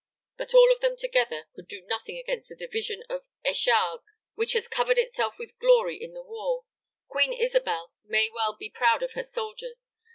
But all of them together could do nothing against the division of Echague, which has covered itself with glory in the war. Queen Isabel may well be proud of her soldiers.